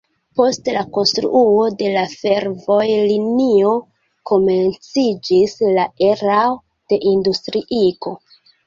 Post la konstruo de la fervojlinio komenciĝis la erao de industriigo.